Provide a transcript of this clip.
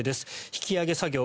引き揚げ作業